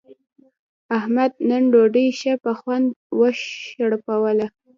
احمد نن ډوډۍ ښه په خوند و شړپوله.